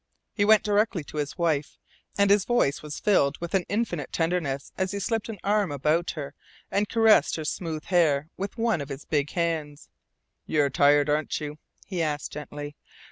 He went directly to his wife, and his voice was filled with an infinite tenderness as he slipped an arm about her and caressed her smooth hair with one of his big hands. "You're tired, aren't you?" he asked gently.